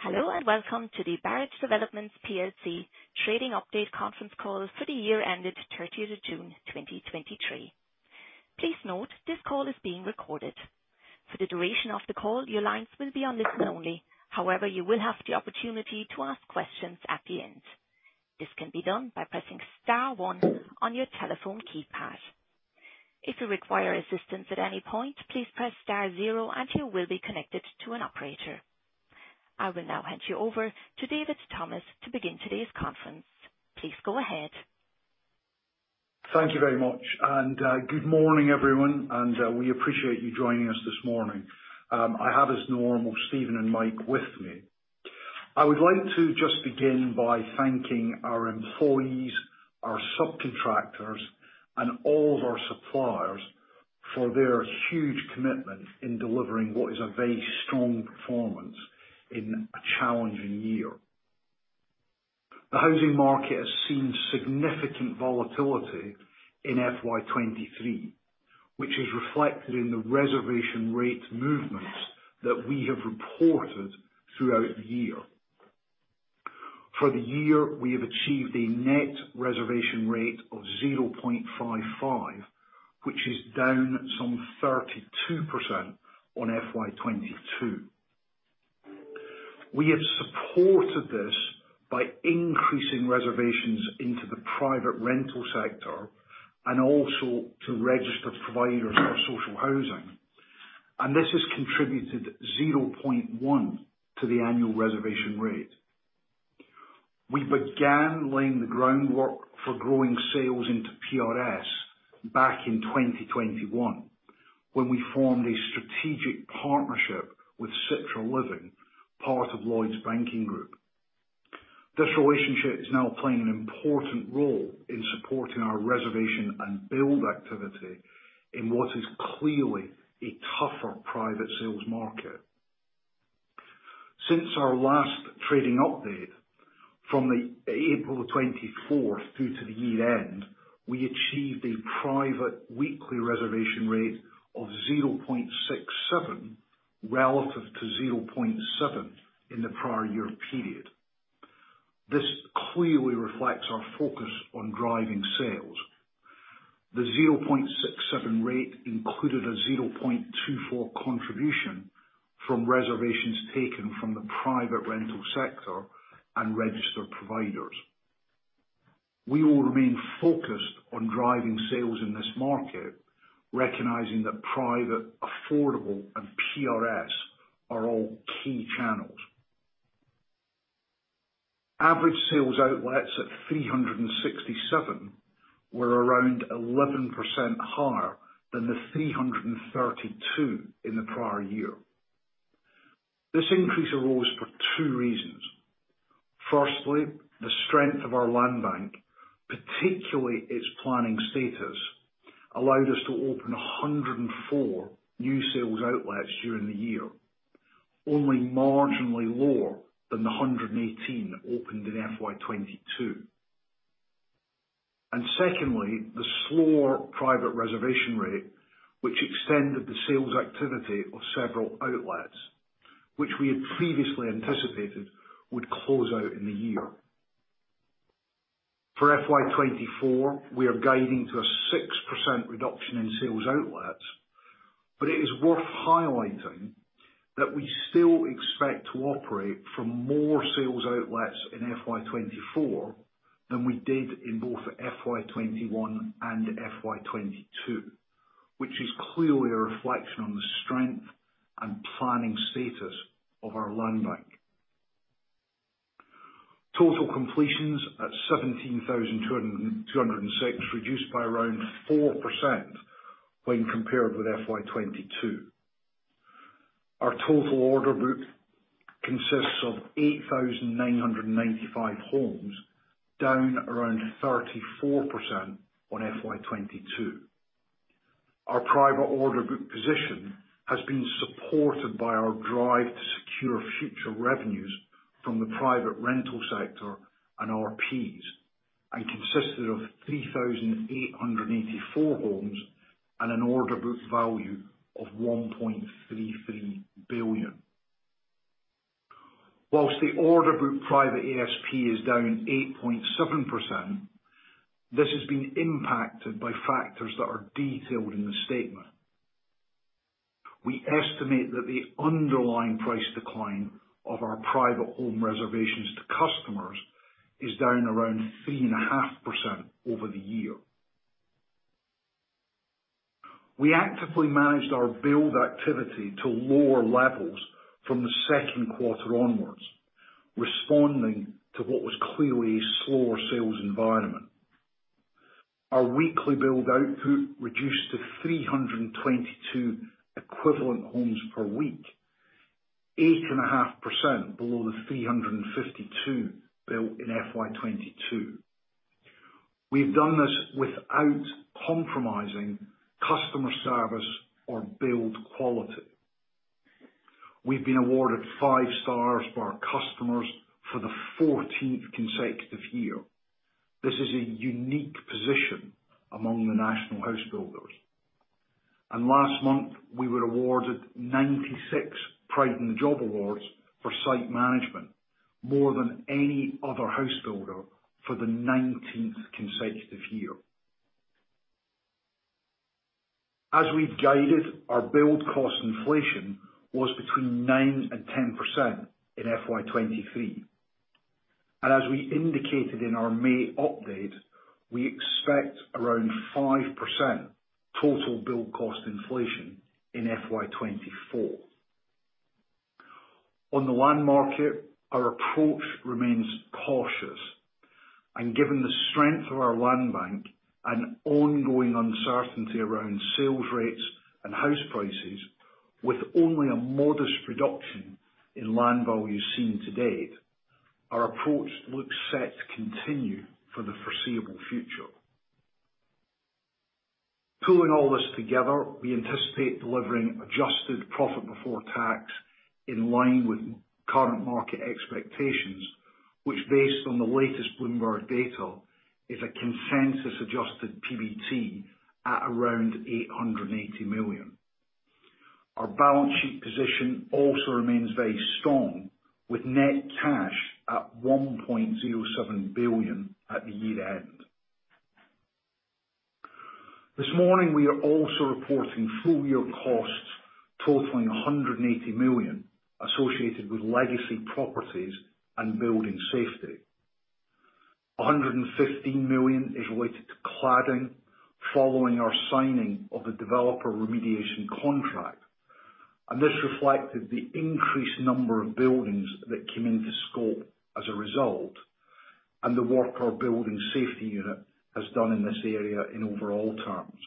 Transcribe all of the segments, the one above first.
Hello, and welcome to the Barratt Developments PLC trading update conference call for the year ended 30 of June, 2023. Please note, this call is being recorded. For the duration of the call, your lines will be on listen only. However, you will have the opportunity to ask questions at the end. This can be done by pressing star one on your telephone keypad. If you require assistance at any point, please press star zero and you will be connected to an operator. I will now hand you over to David Thomas to begin today's conference. Please go ahead. Thank you very much, good morning, everyone, we appreciate you joining us this morning. I have, as normal, Steven and Mike with me. I would like to just begin by thanking our employees, our subcontractors, and all of our suppliers for their huge commitment in delivering what is a very strong performance in a challenging year. The housing market has seen significant volatility in FY23, which is reflected in the reservation rate movements that we have reported throughout the year. For the year, we have achieved a net reservation rate of 0.55, which is down some 32% on FY22. We have supported this by increasing reservations into the private rental sector and also to Registered Providers of social housing, and this has contributed 0.1 to the annual reservation rate. We began laying the groundwork for growing sales into PRS back in 2021, when we formed a strategic partnership with Citra Living, part of Lloyds Banking Group. This relationship is now playing an important role in supporting our reservation and build activity in what is clearly a tougher private sales market. Since our last trading update, from April 24th through to the year-end, we achieved a private weekly reservation rate of 0.67, relative to 0.7 in the prior year period. This clearly reflects our focus on driving sales. The 0.67 rate included a 0.24 contribution from reservations taken from the private rental sector and Registered Providers. We will remain focused on driving sales in this market, recognizing that private, affordable, and PRS are all key channels. Average sales outlets at 367 were around 11% higher than the 332 in the prior year. This increase arose for two reasons. Firstly, the strength of our land bank, particularly its planning status, allowed us to open 104 new sales outlets during the year, only marginally lower than the 118 opened in FY22. Secondly, the slower private reservation rate, which extended the sales activity of several outlets, which we had previously anticipated would close out in the year. For FY24, we are guiding to a 6% reduction in sales outlets, but it is worth highlighting that we still expect to operate from more sales outlets in FY24 than we did in both FY21 and FY22, which is clearly a reflection on the strength and planning status of our land bank. Total completions at 17,206, reduced by around 4% when compared with FY22. Our total order book consists of 8,995 homes, down around 34% on FY22. Our private order book position has been supported by our drive to secure future revenues from the private rental sector and RPs, and consisted of 3,884 homes and an order book value of 1.33 billion. Whilst the order book private ASP is down 8.7%, this has been impacted by factors that are detailed in the statement. We estimate that the underlying price decline of our private home reservations to customers is down around 3.5% over the year. We actively managed our build activity to lower levels from the second quarter onwards, responding to what was clearly a slower sales environment. Our weekly build output reduced to 322 equivalent homes per week, 8.5% below the 352 built in FY22. We've done this without compromising customer service or build quality. We've been awarded five stars by our customers for the 14th consecutive year. This is a unique position among the national house builders. Last month, we were awarded 96 Pride in the Job awards for site management, more than any other house builder for the 19th consecutive year. As we've guided, our build cost inflation was between 9% and 10% in FY23. As we indicated in our May update, we expect around 5% total build cost inflation in FY24. On the land market, our approach remains cautious, given the strength of our land bank and ongoing uncertainty around sales rates and house prices, with only a modest reduction in land value seen to date, our approach looks set to continue for the foreseeable future. Pulling all this together, we anticipate delivering adjusted profit before tax in line with current market expectations, which, based on the latest Bloomberg data, is a consensus-adjusted PBT at around 880 million. Our balance sheet position also remains very strong, with net cash at 1.07 billion at the year-end. This morning, we are also reporting full-year costs totaling 180 million, associated with legacy properties and building safety. 115 million is related to cladding following our signing of the Developer Remediation Contract, and this reflected the increased number of buildings that came into scope as a result, and the work our Building Safety Unit has done in this area in overall terms.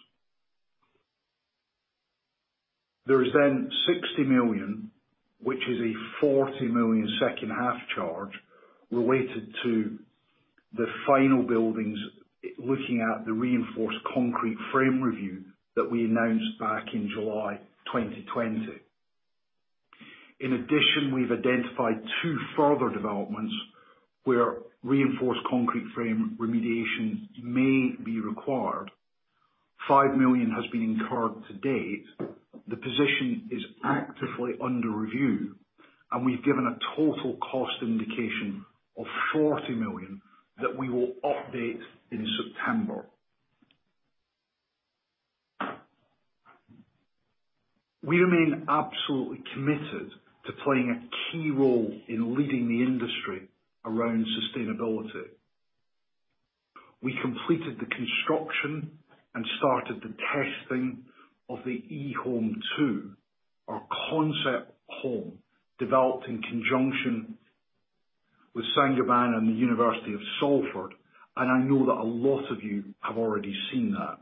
There is then 60 million, which is a 40 million second half charge, related to the final buildings, looking at the reinforced concrete frame review that we announced back in July 2020. In addition, we've identified two further developments where reinforced concrete frame remediation may be required. 5 million has been incurred to date. The position is actively under review, and we've given a total cost indication of 40 million that we will update in September. We remain absolutely committed to playing a key role in leading the industry around sustainability. We completed the construction and started the testing of the eHome2, our concept home, developed in conjunction with Saint-Gobain and the University of Salford. I know that a lot of you have already seen that.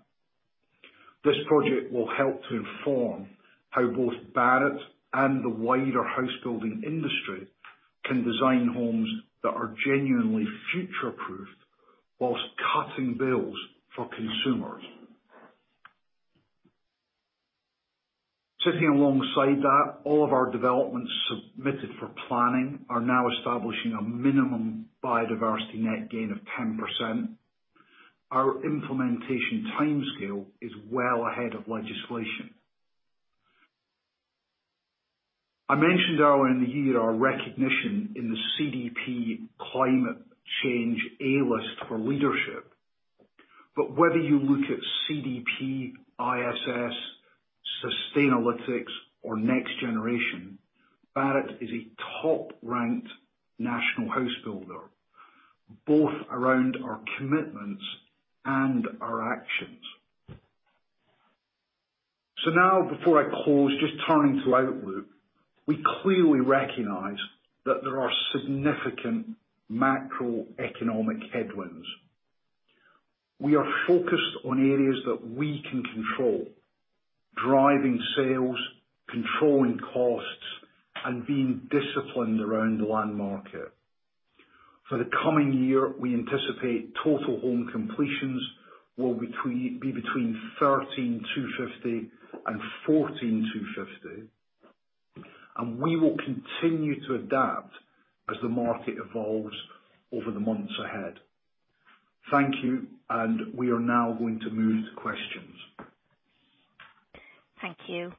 This project will help to inform how both Barratt and the wider house building industry can design homes that are genuinely future-proofed whilst cutting bills for consumers. Sitting alongside that, all of our developments submitted for planning are now establishing a minimum biodiversity net gain of 10%. Our implementation timescale is well ahead of legislation. I mentioned earlier in the year our recognition in the CDP Climate Change A List for leadership. Whether you look at CDP, ISS, Sustainalytics, or NextGeneration, Barratt is a top-ranked national house builder, both around our commitments and our actions. Now, before I close, just turning to outlook. We clearly recognize that there are significant macroeconomic headwinds. We are focused on areas that we can control, driving sales, controlling costs, and being disciplined around the land market. For the coming year, we anticipate total home completions will be between 13,250 and 14,250, and we will continue to adapt as the market evolves over the months ahead. Thank you. We are now going to move to questions. Thank you.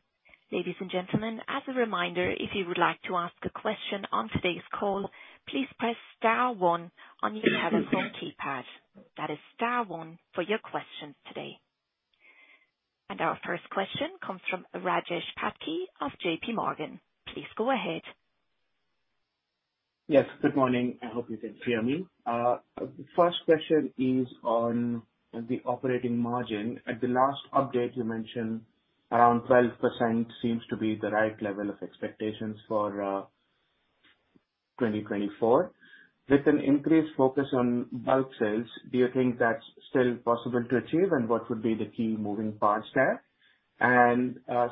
Ladies and gentlemen, as a reminder, if you would like to ask a question on today's call, please press star one on your telephone keypad. That is star one for your questions today. Our first question comes from Rajesh Patki of JPMorgan. Please go ahead. Yes, good morning. I hope you can hear me. The first question is on the operating margin. At the last update, you mentioned around 12% seems to be the right level of expectations for 2024. With an increased focus on bulk sales, do you think that's still possible to achieve? What would be the key moving parts there?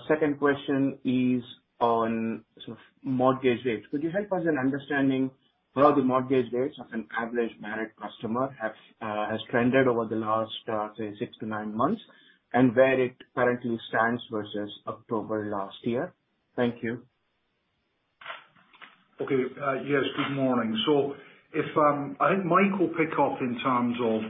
Second question is on sort of mortgage rates. Could you help us in understanding how the mortgage rates of an average married customer have has trended over the last, say, 6-9 months, and where it currently stands versus October last year? Thank you. Yes, good morning. If, I think Mike will pick up in terms of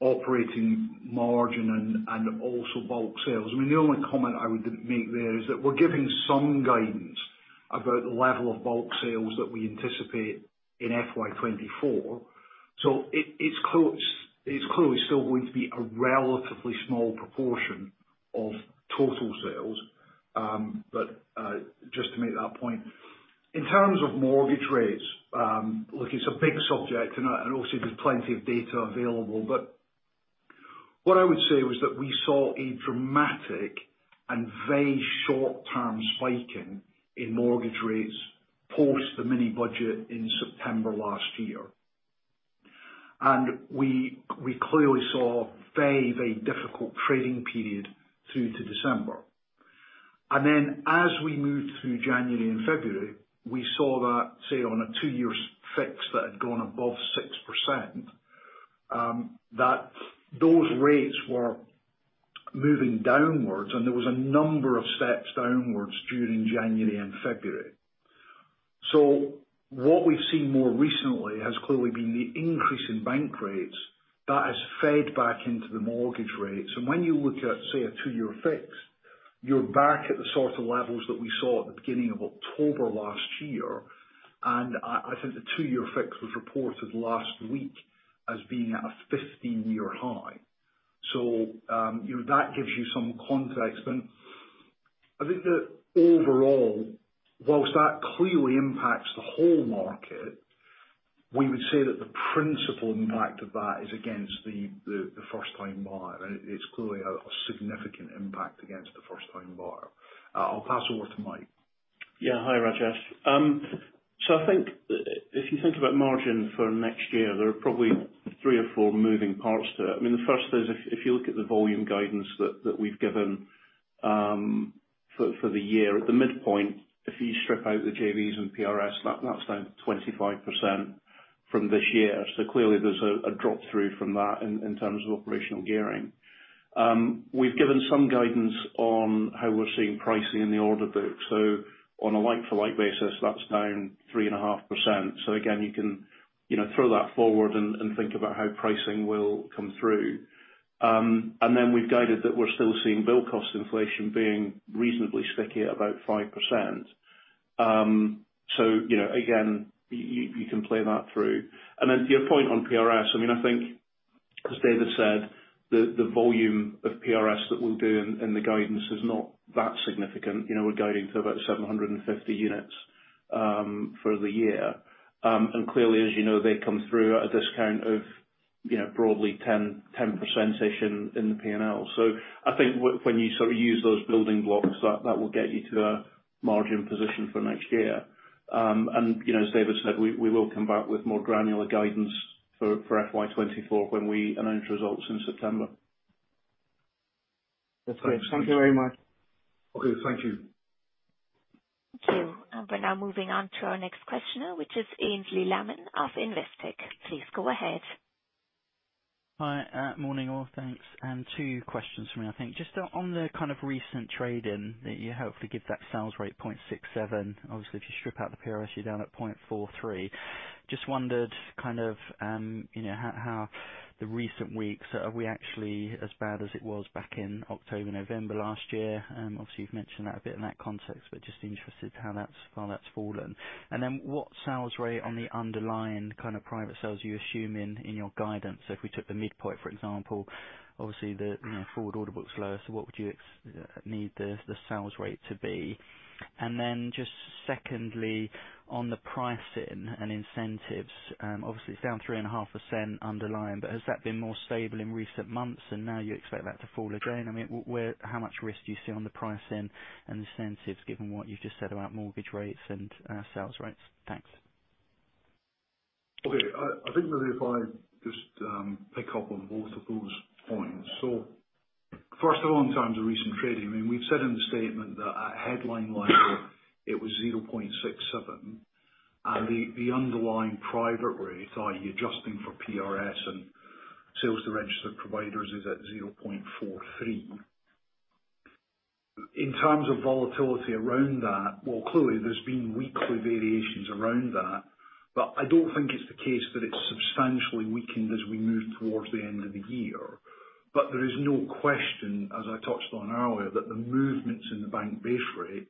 operating margin and also bulk sales. I mean, the only comment I would make there is that we're giving some guidance about the level of bulk sales that we anticipate in FY24. It's clearly still going to be a relatively small proportion of total sales, but just to make that point. In terms of mortgage rates, look, it's a big subject, and obviously there's plenty of data available, but what I would say was that we saw a dramatic and very short-term spiking in mortgage rates post the mini budget in September last year. We clearly saw a very, very difficult trading period through to December. As we moved through January and February, we saw that, say, on a 2-year fix that had gone above 6%, that those rates were moving downwards, and there was a number of steps downwards during January and February. What we've seen more recently has clearly been the increase in bank rates. That has fed back into the mortgage rates, and when you look at, say, a 2-year fix, you're back at the sort of levels that we saw at the beginning of October last year. I think the 2-year fix was reported last week as being at a 15-year high. You know, that gives you some context. I think that overall, whilst that clearly impacts the whole market, we would say that the principal impact of that is against the first-time buyer. It's clearly a significant impact against the first-time buyer. I'll pass over to Mike. Hi, Rajesh. I think if you think about margin for next year, there are probably three or four moving parts to it. I mean, the first is if you look at the volume guidance that we've given for the year, at the midpoint, if you strip out the JVs and PRS, that's down 25% from this year. Clearly, there's a drop-through from that in terms of operational gearing. We've given some guidance on how we're seeing pricing in the order book. On a like-for-like basis, that's down 3.5%. Again, you can, you know, throw that forward and think about how pricing will come through. Then we've guided that we're still seeing bill cost inflation being reasonably sticky at about 5%. You know, again, you, you can play that through. To your point on PRS, I mean, I think as David said, the volume of PRS that we'll do in the guidance is not that significant. You know, we're guiding for about 750 units for the year. Clearly, as you know, they come through at a discount of, you know, broadly 10%-ish in the P&L. I think when you sort of use those building blocks, that will get you to a margin position for next year. You know, as David said, we will come back with more granular guidance for FY24 when we announce results in September. That's great. Thank you very much. Okay, thank you. Thank you. We're now moving on to our next questioner, which is Aynsley Lammin of Investec. Please go ahead. Hi, morning, all. Thanks. 2 questions from me, I think. Just on the kind of recent trading, that you hopefully give that sales rate, 0.67. Obviously, if you strip out the PRS, you're down at 0.43. Just wondered, kind of, you know, how the recent weeks, are we actually as bad as it was back in October, November last year? Obviously, you've mentioned that a bit in that context, but just interested how that's fallen. What sales rate on the underlying kind of private sales do you assume in your guidance? If we took the midpoint, for example, obviously the, you know, forward order book's lower, so what would you need the sales rate to be? Just secondly, on the pricing and incentives, obviously it's down 3.5% underlying, but has that been more stable in recent months, and now you expect that to fall again? I mean, how much risk do you see on the pricing and incentives, given what you've just said about mortgage rates and sales rates? Thanks. Okay. I think, maybe if I just pick up on both of those points. First of all, in terms of recent trading, I mean, we've said in the statement that at headline level, it was 0.67. The underlying private rate, i.e., adjusting for PRS and sales to registered providers, is at 0.43. In terms of volatility around that, well, clearly there's been weekly variations around that, but I don't think it's the case that it's substantially weakened as we move towards the end of the year. There is no question, as I touched on earlier, that the movements in the bank base rate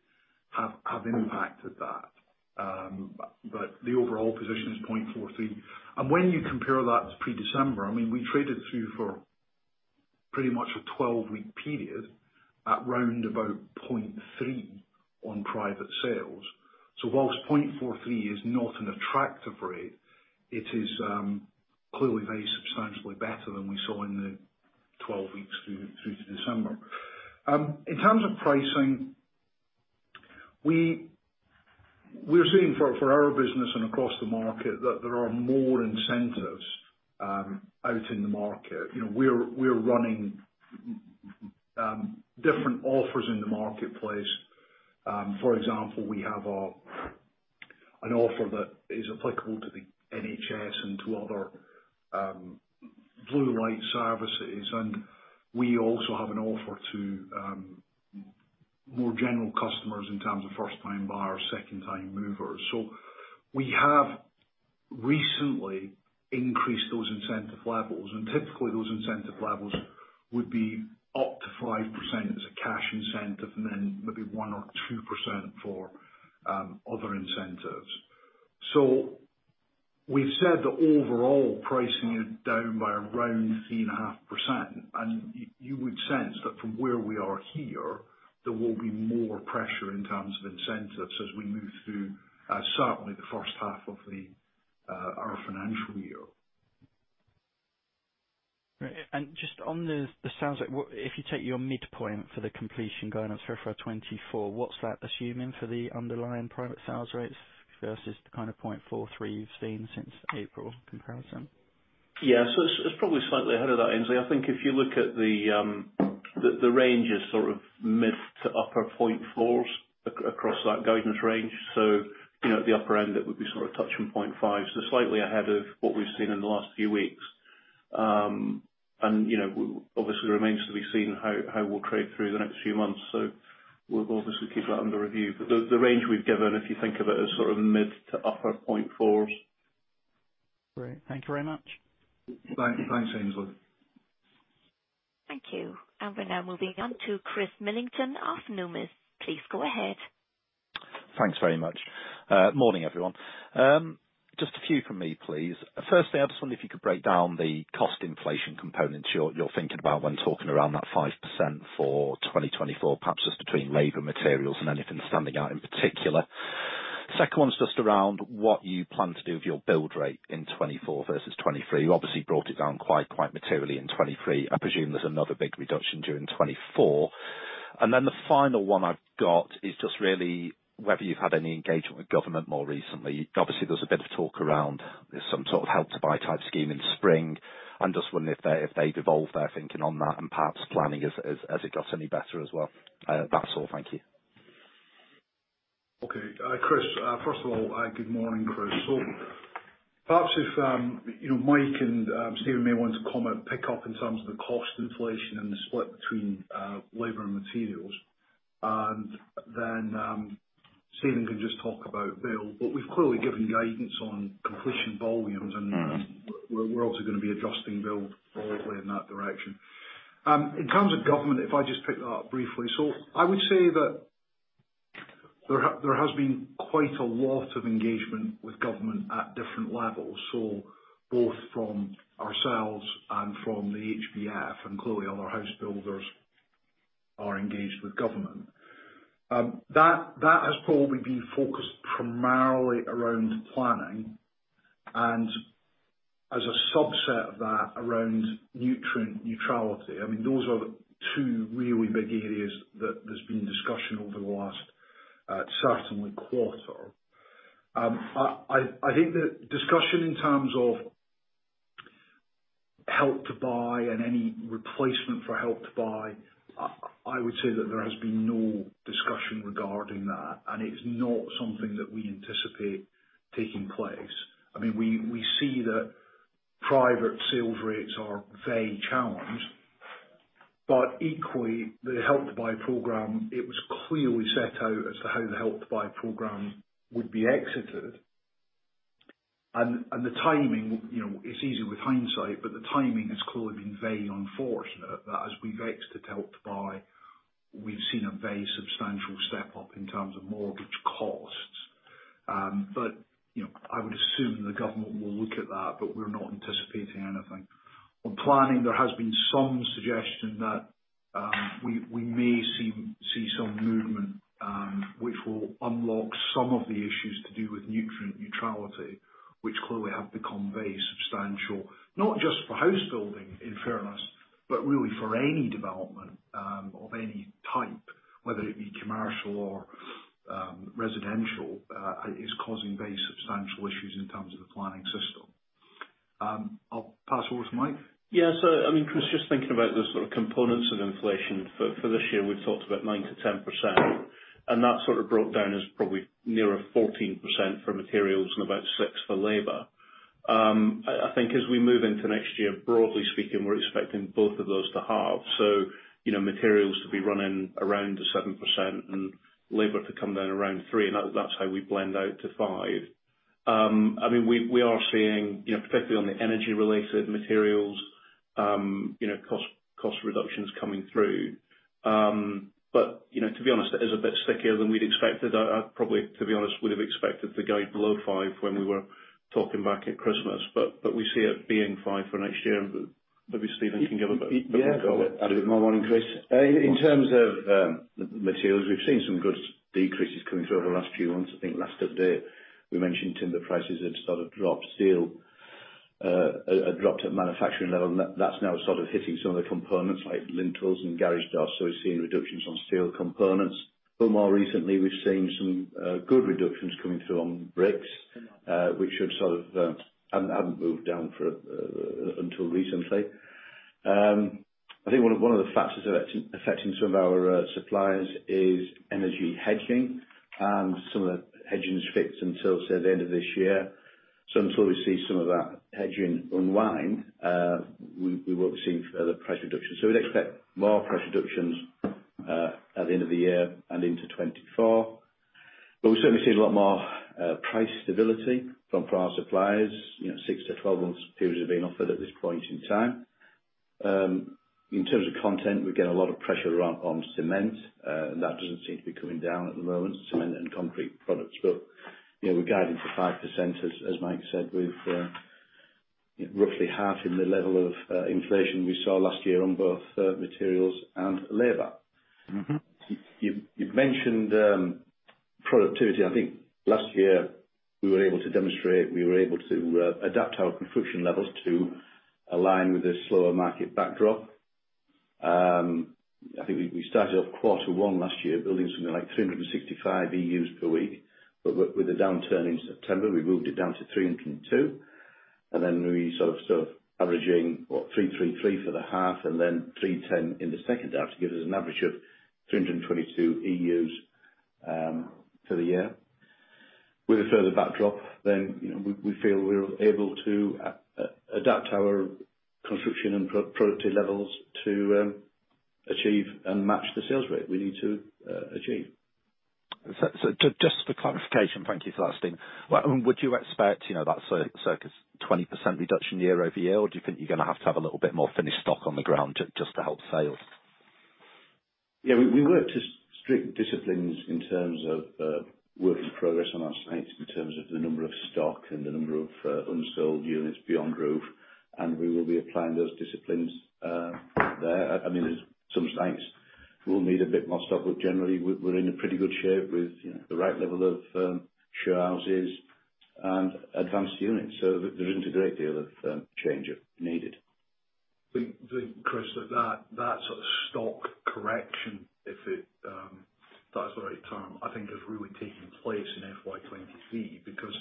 have impacted that. The overall position is 0.43. When you compare that to pre-December, I mean, we traded through for pretty much a 12-week period at round about 0.3 on private sales. Whilst 0.43 is not an attractive rate, it is clearly very substantially better than we saw in the 12 weeks through to December. In terms of pricing, we're seeing for our business and across the market, that there are more incentives out in the market. You know, we're running different offers in the marketplace. For example, we have an offer that is applicable to the NHS and to other blue light services, and we also have an offer to more general customers in terms of first-time buyer, second-time movers. We have recently increased those incentive levels, and typically, those incentive levels would be up to 5% as a cash incentive, and then maybe 1% or 2% for other incentives. We've said that overall pricing is down by around 3.5%, and you would sense that from where we are here, there will be more pressure in terms of incentives as we move through, certainly the first half of our financial year. Right. Just on the sales, like, if you take your midpoint for the completion guidance for 2024, what's that assuming for the underlying private sales rates versus the kind of 0.43 we've seen since April comparison? It's probably slightly ahead of that, Ainsley. I think if you look at the range is sort of mid to upper point fours across that guidance range. You know, at the upper end, it would be sort of touching point five. Slightly ahead of what we've seen in the last few weeks. You know, obviously remains to be seen how we'll trade through the next few months, so we'll obviously keep that under review. The range we've given, if you think of it, as sort of mid to upper point fours. Great. Thank you very much. Thanks, Ainsley. Thank you. We're now moving on to Chris Millington of Numis. Please go ahead. Thanks very much. Morning, everyone. Just a few from me, please. Firstly, I just wonder if you could break down the cost inflation components you're thinking about when talking around that 5% for 2024, perhaps just between labor, materials, and anything standing out in particular. Second one's just around what you plan to do with your build rate in 2024 versus 2023. You obviously brought it down quite materially in 2023. I presume there's another big reduction during 2024. The final one I've got is just really whether you've had any engagement with government more recently. Obviously, there's a bit of talk around there's some sort of Help to Buy type scheme in spring. I'm just wondering if they've evolved their thinking on that and perhaps planning as it got any better as well. That's all. Thank you. Okay. Chris, first of all, good morning, Chris. Perhaps if, you know, Mike and Steven may want to comment, pick up in terms of the cost inflation and the split between labor and materials. Steven can just talk about build, but we've clearly given guidance on completion volumes, and we're also going to be adjusting build broadly in that direction. In terms of government, if I just pick that up briefly. I would say that there has been quite a lot of engagement with government at different levels. Both from ourselves and from the HBF, and clearly other house builders are engaged with government. That has probably been focused primarily around planning, and as a subset of that, around nutrient neutrality. I mean, those are the two really big areas that there's been discussion over the last, certainly quarter. I think the discussion in terms of Help to Buy and any replacement for Help to Buy, I would say that there has been no discussion regarding that, and it's not something that we anticipate taking place. I mean, we see that private sales rates are very challenged, but equally, the Help to Buy program, it was clearly set out as to how the Help to Buy program would be exited. The timing, you know, it's easy with hindsight, but the timing has clearly been very unfortunate, that as we've exited Help to Buy, we've seen a very substantial step up in terms of mortgage costs. You know, I would assume the government will look at that, but we're not anticipating anything. On planning, there has been some suggestion that we may see some movement, which will unlock some of the issues to do with nutrient neutrality, which clearly have become very substantial, not just for housebuilding, in fairness, but really for any development, of any type, whether it be commercial or residential, it's causing very substantial issues in terms of the planning system. I'll pass over to Mike. I mean, Chris, just thinking about the sort of components of inflation for this year, we've talked about 9%-10%, and that sort of broke down as probably nearer 14% for materials and about 6% for labor. I think as we move into next year, broadly speaking, we're expecting both of those to halve. You know, materials to be running around the 7% and labor to come down around 3%, and that's how we blend out to 5%. I mean, we are seeing, you know, particularly on the energy-related materials, you know, cost reductions coming through. You know, to be honest, it is a bit stickier than we'd expected. I probably, to be honest, would have expected to go below 5 when we were talking back at Christmas, but we see it being 5 for next year. Maybe Steven can give a bit more color. Yeah, add a bit more on, Chris. In terms of materials, we've seen some good decreases coming through over the last few months. I think last update, we mentioned timber prices have sort of dropped. Steel dropped at manufacturing level, and that's now sort of hitting some of the components like lintels and garage doors, so we've seen reductions on steel components. More recently, we've seen some good reductions coming through on bricks, which have sort of haven't moved down for until recently. I think one of the factors affecting some of our suppliers is energy hedging. Some of the hedging fits until, say, the end of this year. Until we see some of that hedging unwind, we won't see further price reductions. We'd expect more price reductions at the end of the year and into 2024. We certainly see a lot more price stability from our suppliers. You know, 6-12 months periods are being offered at this point in time. In terms of content, we get a lot of pressure on cement. That doesn't seem to be coming down at the moment, cement and concrete products. You know, we're guiding for 5%, as Mike said, with roughly half in the level of inflation we saw last year on both materials and labor. Mm-hmm. You've mentioned productivity. I think last year we were able to demonstrate, we were able to adapt our construction levels to align with the slower market backdrop. I think we started off Q1 last year, building something like 365 ASPs per week, but with the downturn in September, we moved it down to 302, and then we sort of still averaging, what? 333 for the half and then 310 in the second half, to give us an average of 322 ASPs for the year. With a further backdrop, you know, we feel we're able to adapt our construction and productivity levels to achieve and match the sales rate we need to achieve. Just for clarification, thank you for that, Steve. Would you expect, you know, that circus 20% reduction year over year, or do you think you're gonna have to have a little bit more finished stock on the ground just to help sales? Yeah, we work to strict disciplines in terms of work in progress on our sites, in terms of the number of stock and the number of unsold units beyond roof. We will be applying those disciplines there. I mean, there's some sites we'll need a bit more stock. Generally we're in a pretty good shape with, you know, the right level of show houses and advanced units. There isn't a great deal of change needed. Chris, that sort of stock correction, if it, that's the right term, I think has really taken place in FY23, because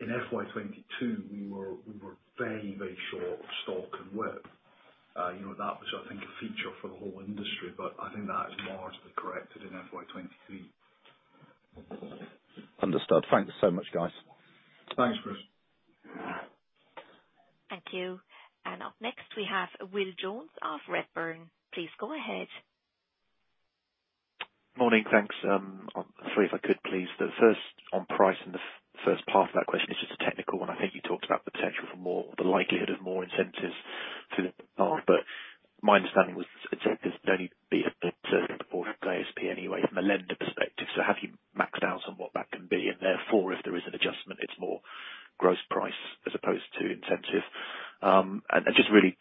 in FY22, we were very short of stock and work. You know, that was I think, a feature for the whole industry, but I think that is largely corrected in FY23. Understood. Thank you so much, guys. Thanks, Chris. Thank you. Up next, we have Will Jones of Redburn. Please go ahead. Morning, thanks. 3, if I could, please. The first on price. The first part of that question is just a technical one. I think you talked about the potential for more, the likelihood of more incentives through the path. My understanding was incentives would only be a portion of ASP anyway, from a lender perspective. Have you maxed out on what that can be? Therefore, if there is an adjustment, it's more gross price as opposed to incentive. Just really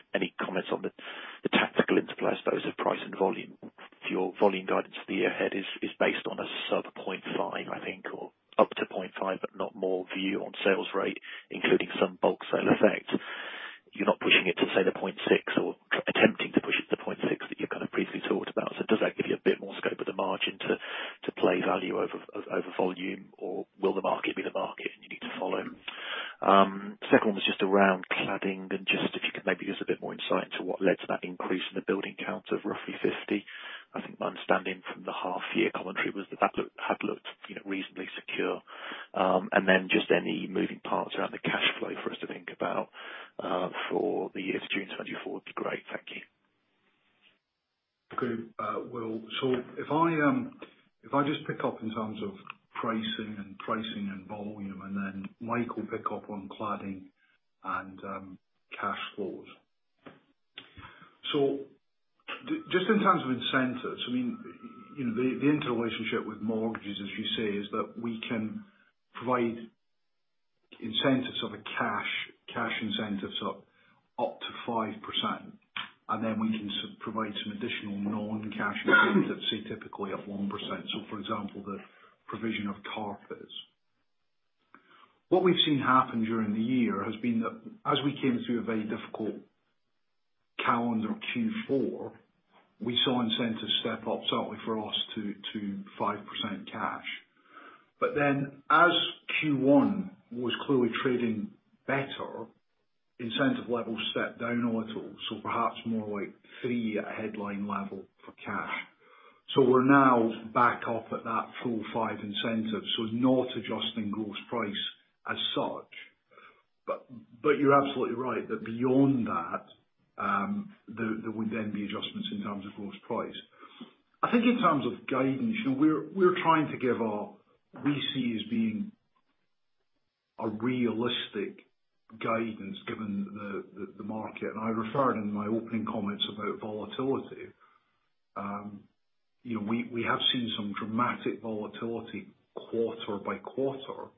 quarter by quarter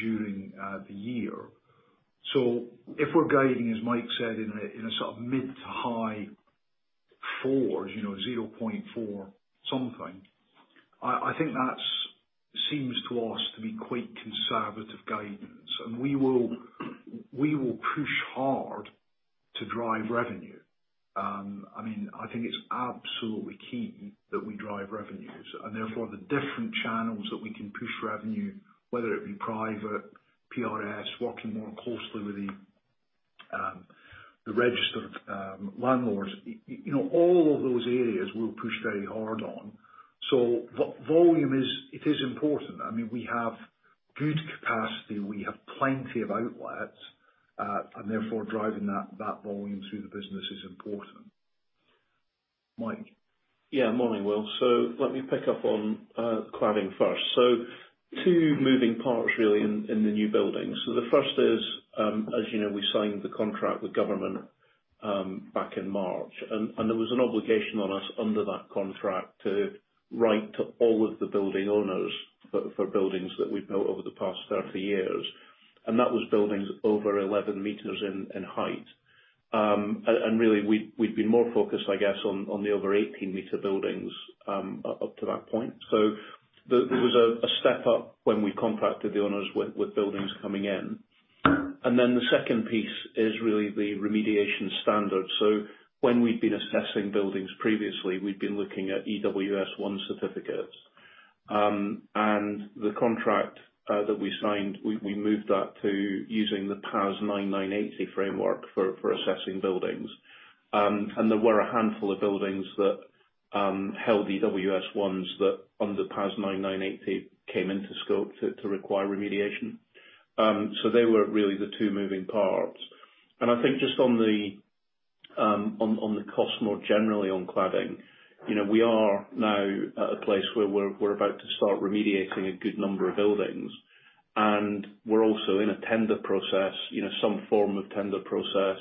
during the year. If we're guiding, as Mike said, in a sort of mid to high 4s, you know, 0.4 something, I think that seems to us to be quite conservative guidance, and we will push hard to drive revenue. I mean, I think it's absolutely key that we drive revenues, and therefore, the different channels that we can push revenue, whether it be private, PRS, working more closely with the registered landlords. You know, all of those areas we'll push very hard on. So volume is important. I mean, we have good capacity, we have plenty of outlets, and therefore driving that volume through the business is important. Mike? Yeah, morning, Will. Let me pick up on cladding first. Two moving parts, really, in the new building. The first is, as you know, we signed the contract with government back in March, and there was an obligation on us under that contract to write to all of the building owners for buildings that we've built over the past 30 years, and that was buildings over 11 meters in height. Really, we'd been more focused, I guess, on the over 18-meter buildings up to that point. There was a step up when we contacted the owners with buildings coming in. Then the second piece is really the remediation standard. When we'd been assessing buildings previously, we'd been looking at EWS1 certificates. The contract that we signed, we moved that to using the PAS 9980 framework for assessing buildings. There were a handful of buildings that held EWS1s that, under PAS 9980, came into scope to require remediation. They were really the two moving parts. I think just on the cost, more generally on cladding, you know, we are now at a place where we're about to start remediating a good number of buildings. We're also in a tender process, you know, some form of tender process,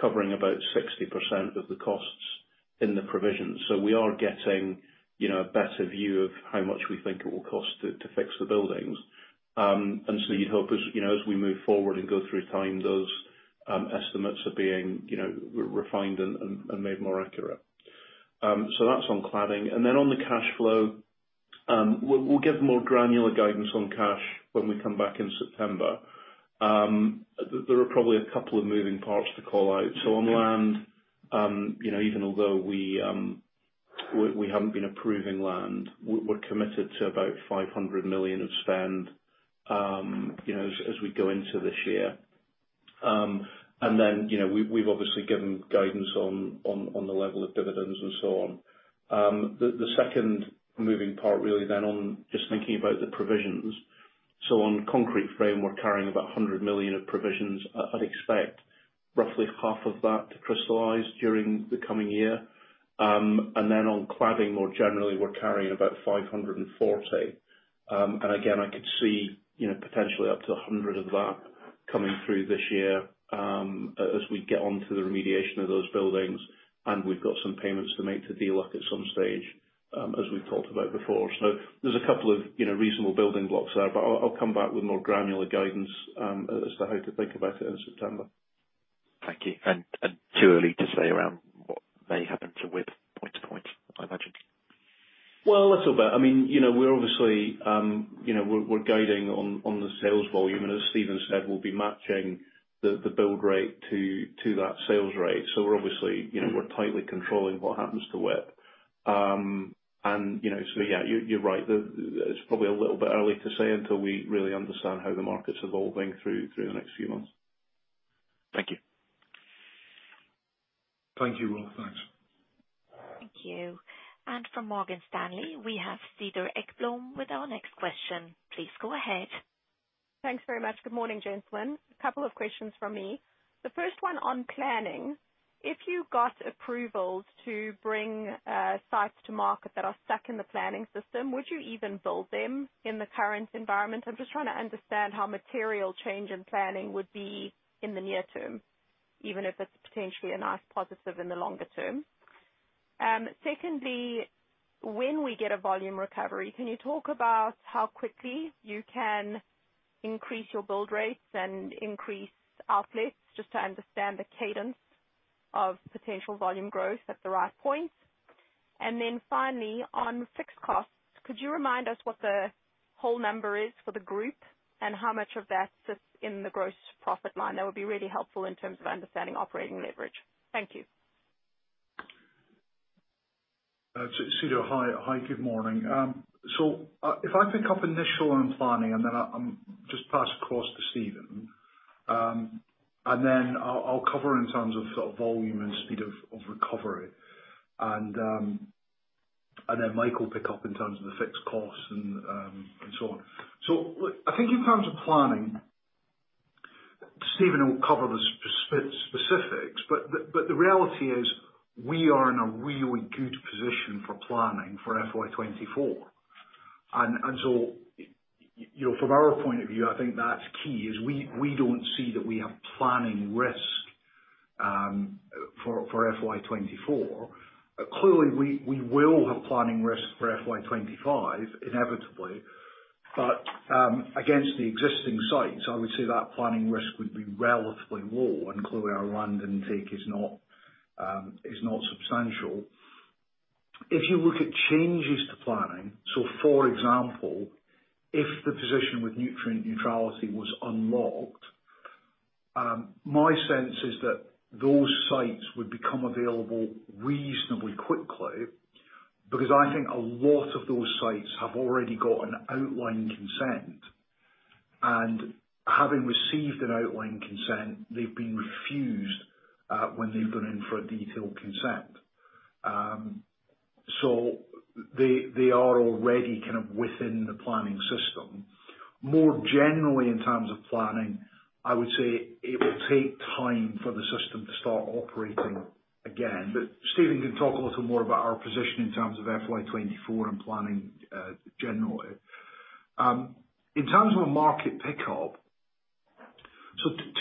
covering about 60% of the costs in the provision. We are getting, you know, a better view of how much we think it will cost to fix the buildings. You'd hope as, you know, as we move forward and go through time, those estimates are being, you know, refined and made more accurate. That's on cladding. On the cashflow, we'll give more granular guidance on cash when we come back in September. There are probably a couple of moving parts to call out. On land, you know, even although we haven't been approving land, we're committed to about 500 million of spend, you know, as we go into this year. You know, we've obviously given guidance on the level of dividends and so on. The second moving part, really then, on just thinking about the provisions. On concrete frame, we're carrying about 100 million of provisions. I'd expect roughly half of that to crystallize during the coming year. On cladding, more generally, we're carrying about 540. Again, I could see, you know, potentially up to 100 of that coming through this year, as we get onto the remediation of those buildings, and we've got some payments to make to DLUHC at some stage, as we've talked about before. There's a couple of, you know, reasonable building blocks there, but I'll come back with more granular guidance, as to how to think about it in September. Thank you. Too early to say around what may happen to with point to point, I imagine? A little bit. I mean, you know, we're obviously, you know, we're guiding on the sales volume, and as Steven said, we'll be matching the build rate to that sales rate. We're obviously, you know, we're tightly controlling what happens to WIP. You know, so yeah, you're right. It's probably a little bit early to say until we really understand how the market's evolving through the next few months. Thank you. Thank you, Will. Thanks. Thank you. From Morgan Stanley, we have Cedar Ekblom, with our next question. Please go ahead. Thanks very much. Good morning, gentlemen. A couple of questions from me. The first one on planning: If you got approvals to bring sites to market that are stuck in the planning system, would you even build them in the current environment? I'm just trying to understand how material change in planning would be in the near term, even if it's potentially a nice positive in the longer term. Secondly, when we get a volume recovery, can you talk about how quickly you can increase your build rates and increase outlets, just to understand the cadence of potential volume growth at the right point? Finally, on fixed costs, could you remind us what the whole number is for the group, and how much of that sits in the gross profit line? That would be really helpful in terms of understanding operating leverage. Thank you. Cedar, hi. Hi, good morning. If I pick up initially on planning, and then I just pass across to Steven, and then I'll cover in terms of sort of volume and speed of recovery. Then Mike will pick up in terms of the fixed costs and so on. I think in terms of planning, Steven will cover the specifics, but the reality is: we are in a really good position for planning for FY24. You know, from our point of view, I think that's key, is we don't see that we have planning risk, for FY24. Clearly, we will have planning risk for FY25, inevitably, but against the existing sites, I would say that planning risk would be relatively low, including our London intake is not substantial. If you look at changes to planning, so for example, if the position with nutrient neutrality was unlocked, my sense is that those sites would become available reasonably quickly, because I think a lot of those sites have already got an outline consent. Having received an outline consent, they've been refused when they've gone in for a detailed consent. They are already kind of within the planning system. More generally, in terms of planning, I would say it will take time for the system to start operating again. Steven can talk a little more about our position in terms of FY24 and planning generally. In terms of a market pickup,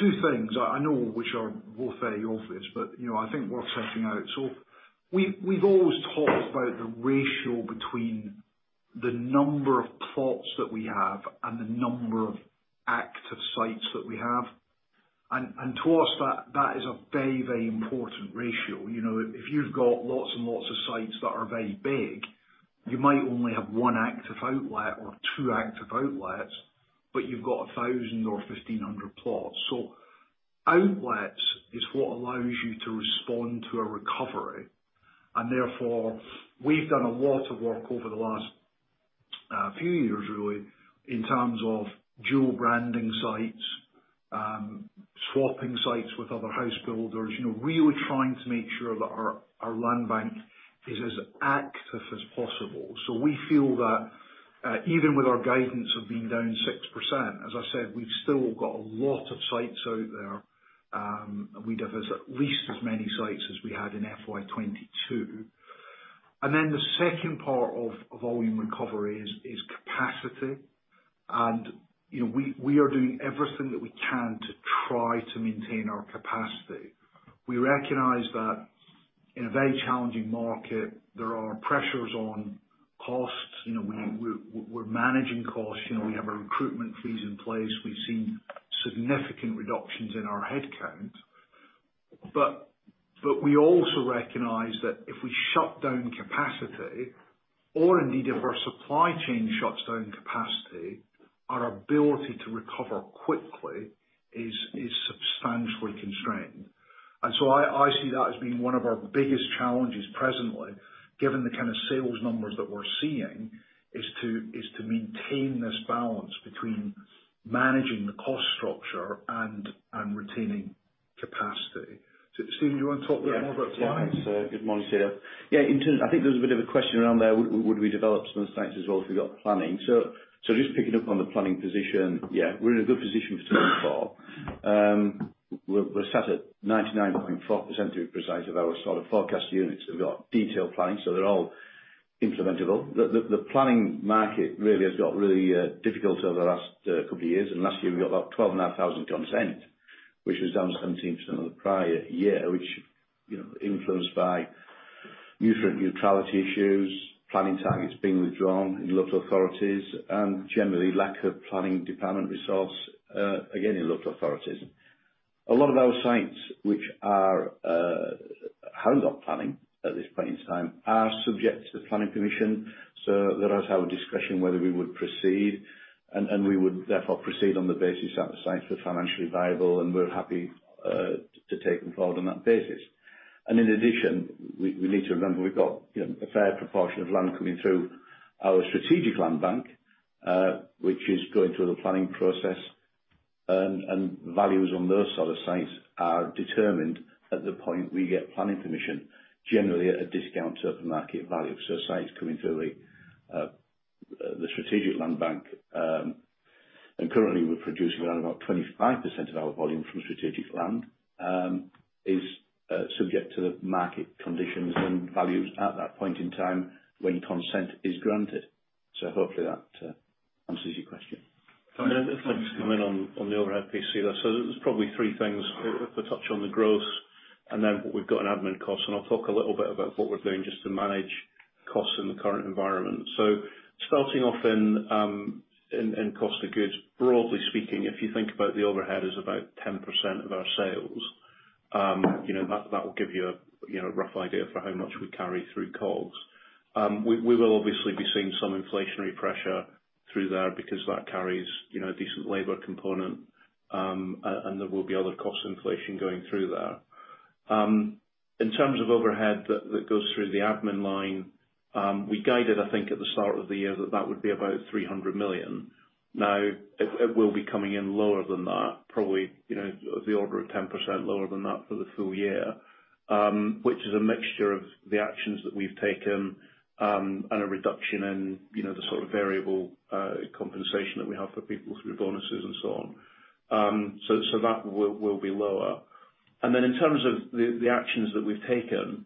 two things, I know, which are both very obvious, but, you know, I think worth setting out. We've always talked about the ratio between the number of plots that we have and the number of active sites that we have. To us, that is a very, very important ratio. You know, if you've got lots and lots of sites that are very big, you might only have one active outlet or two active outlets, but you've got 1,000 or 1,500 plots. Outlets is what allows you to respond to a recovery, and therefore, we've done a lot of work over the last few years, really, in terms of dual branding sites, swapping sites with other house builders. You know, really trying to make sure that our land bank is as active as possible. We feel that even with our guidance of being down 6%, as I said, we've still got a lot of sites out there. We have at least as many sites as we had in FY22. The second part of volume recovery is capacity. You know, we are doing everything that we can to try to maintain our capacity. We recognize that in a very challenging market, there are pressures on costs. You know, we're managing costs, you know, we have our recruitment freeze in place. We've seen significant reductions in our headcount, but we also recognize that if we shut down capacity, or indeed, if our supply chain shuts down capacity, our ability to recover quickly is substantially constrained. I see that as being one of our biggest challenges presently, given the kind of sales numbers that we're seeing, is to maintain this balance between managing the cost structure and retaining capacity. Steven, do you want to talk a little more about planning? Good morning, Steven. In terms... I think there's a bit of a question around there, would we develop some of the sites as well, if we got planning? Just picking up on the planning position, we're in a good position to move forward. We're sat at 99.4%, to be precise, of our sort of forecast units. We've got detailed planning, so they're all implementable. The planning market really has got really difficult over the last couple of years. Last year, we got about 12,500 consent, which was down 17% on the prior year, which, you know, influenced by nutrient neutrality issues, planning targets being withdrawn in local authorities, and generally, lack of planning department resource again, in local authorities. A lot of our sites which are, haven't got planning at this point in time, are subject to the Planning Commission. There is our discretion whether we would proceed, and we would therefore proceed on the basis that the sites were financially viable, and we're happy to take them forward on that basis. In addition, we need to remember, we've got, you know, a fair proportion of land coming through our strategic land bank, which is going through the planning process, and values on those sort of sites are determined at the point we get planning permission, generally at a discount to the market value. Sites coming through, the strategic land bank, and currently we're producing around about 25% of our volume from strategic land, is subject to the market conditions and values at that point in time when consent is granted. Hopefully that answers your question. Thanks. Can I just come in on the overhead piece there? There's probably three things. We'll touch on the growth, and then we've got an admin cost, and I'll talk a little bit about what we're doing just to manage costs in the current environment. Starting off in cost of goods, broadly speaking, if you think about the overhead is about 10% of our sales, you know, that will give you a, you know, rough idea for how much we carry through COGS. We will obviously be seeing some inflationary pressure through there because that carries, you know, a decent labor component, and there will be other cost inflation going through there. In terms of overhead that goes through the admin line, we guided, I think, at the start of the year, that would be about 300 million. It will be coming in lower than that, probably, you know, of the order of 10% lower than that for the full year, which is a mixture of the actions that we've taken, and a reduction in, you know, the sort of variable compensation that we have for people through bonuses and so on. That will be lower. Then in terms of the actions that we've taken,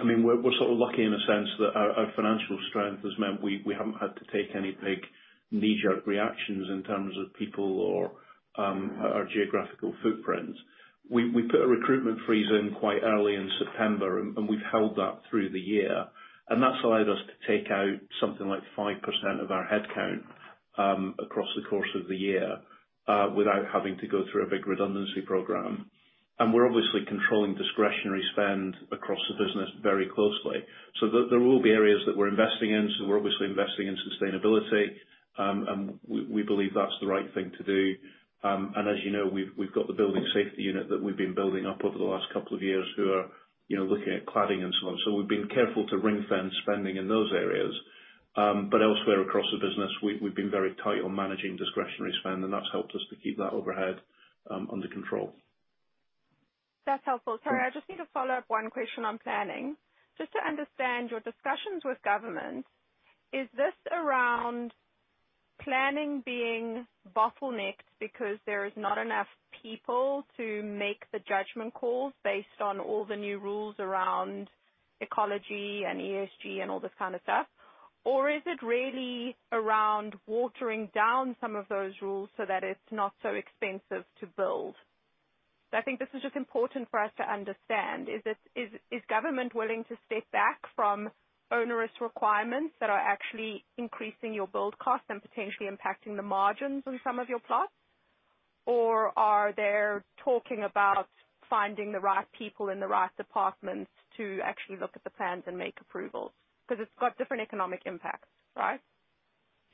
I mean, we're sort of lucky in a sense that our financial strength has meant we haven't had to take any big knee-jerk reactions in terms of people or our geographical footprints. We put a recruitment freeze in quite early in September, and we've held that through the year, and that's allowed us to take out something like 5% of our headcount, across the course of the year, without having to go through a big redundancy program. We're obviously controlling discretionary spend across the business very closely. There will be areas that we're investing in, so we're obviously investing in sustainability, and we believe that's the right thing to do. As you know, we've got the Building Safety Unit that we've been building up over the last couple of years, who are, you know, looking at cladding and so on. We've been careful to ring-fence spending in those areas. Elsewhere across the business, we've been very tight on managing discretionary spend, and that's helped us to keep that overhead under control. That's helpful. Sorry, I just need to follow up one question on planning. Just to understand your discussions with government, is this around planning being bottlenecked because there is not enough people to make the judgment calls based on all the new rules around ecology and ESG and all this kind of stuff? Is it really around watering down some of those rules so that it's not so expensive to build? I think this is just important for us to understand, is government willing to step back from onerous requirements that are actually increasing your build cost and potentially impacting the margins on some of your plots? Are they talking about finding the right people in the right departments to actually look at the plans and make approvals? It's got different economic impacts, right?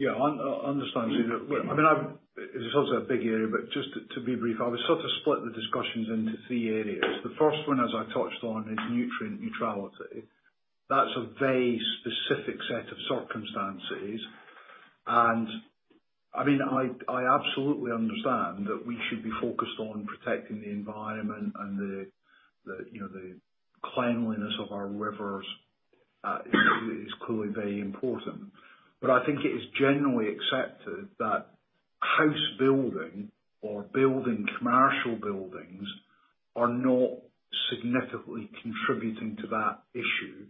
I understand. I mean, this is also a big area, but just to be brief, I would sort of split the discussions into three areas. The first one, as I touched on, is nutrient neutrality. That's a very specific set of circumstances, I mean, I absolutely understand that we should be focused on protecting the environment and the, you know, the cleanliness of our rivers, is clearly very important. I think it is generally accepted that house building or building commercial buildings are not significantly contributing to that issue.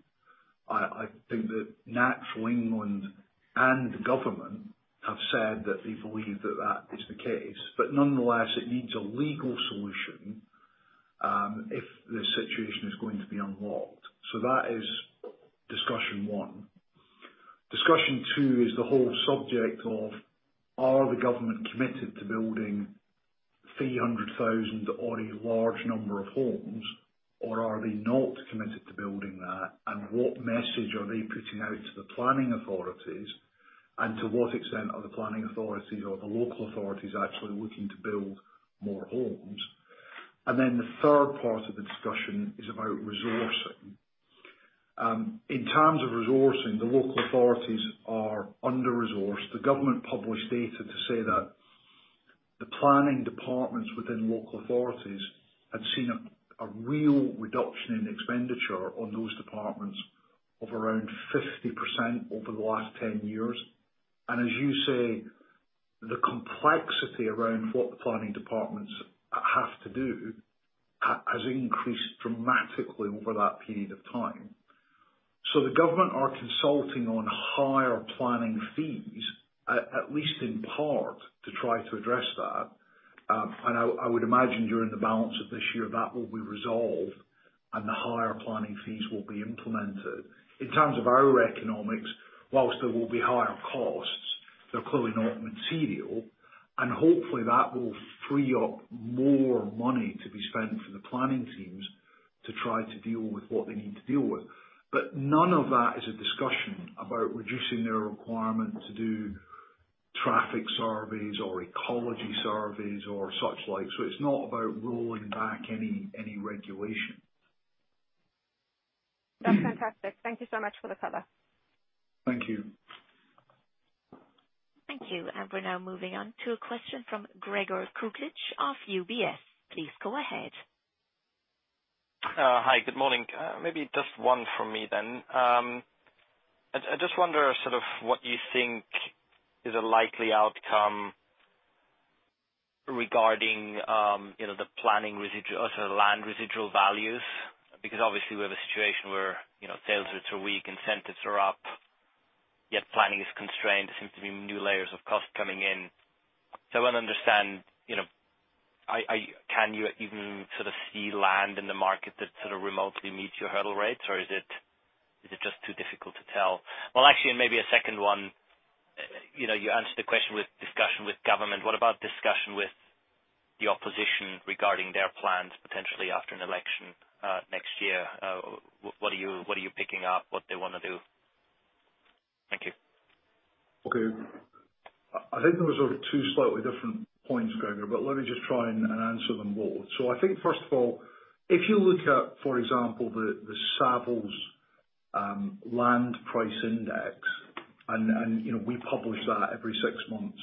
I think that Natural England and the government have said that they believe that that is the case. Nonetheless, it needs a legal solution, if the situation is going to be unlocked. That is discussion one. Discussion two is the whole subject of, are the government committed to building 300,000 or a large number of homes, or are they not committed to building that? What message are they putting out to the planning authorities, and to what extent are the planning authorities or the local authorities actually looking to build more homes? The third part of the discussion is about resourcing. In terms of resourcing, the local authorities are under-resourced. The government published data to say that the planning departments within local authorities had seen a real reduction in expenditure on those departments of around 50% over the last 10 years. As you say, the complexity around what the planning departments have to do has increased dramatically over that period of time. The government are consulting on higher planning fees, at least in part, to try to address that. I would imagine during the balance of this year, that will be resolved, and the higher planning fees will be implemented. In terms of our economics, whilst there will be higher costs, they're clearly not material, and hopefully, that will free up more money to be spent for the planning teams to try to deal with what they need to deal with. None of that is a discussion about reducing their requirement to do traffic surveys or ecology surveys or such like. It's not about rolling back any regulation. That's fantastic. Thank you so much for the color. Thank you. Thank you, we're now moving on to a question from Gregor Kuglitsch of UBS. Please go ahead. Hi, good morning. Maybe just one from me. I just wonder, sort of what you think is a likely outcome regarding, you know, the planning residual, or sorry, the land residual values, obviously we have a situation where, you know, sales rates are weak, incentives are up, yet planning is constrained. There seems to be new layers of cost coming in. I want to understand, you know, I can you even sort of see land in the market that sort of remotely meets your hurdle rates, or is it just too difficult to tell? Well, actually, maybe a second one, you know, you answered the question with discussion with government. What about discussion with the opposition regarding their plans, potentially after an election, next year? What are you picking up, what they want to do? Thank you. Okay. I think those are two slightly different points, Gregor, but let me just try and answer them both. I think, first of all, if you look at, for example, the Savills Land Price Index, and, you know, we publish that every 6 months.